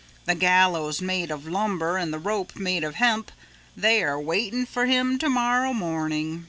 The gallows made of lumber and the rope made of hemp they are waiting for him to morrow morning.